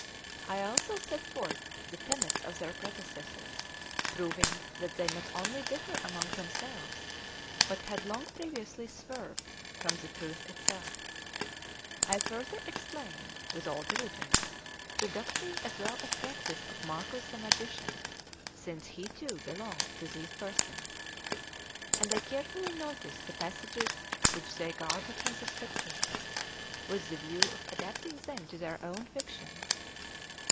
I also set forth the tenets of their predecessors, proving that they not only differed among themselves, but had long previously swerved from the truth itself. I further explained, with all diligence, the doctrine as well as practice of Marcus the magician, since he, too, belongs to these per sons ; and I carefully noticed the passages which they garble from the Scriptures, with the view of adapting them to their own fictions.